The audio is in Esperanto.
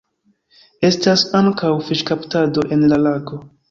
Estas ankaŭ fiŝkaptado en la lago.